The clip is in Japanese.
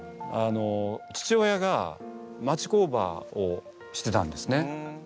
父親が町工場をしてたんですね。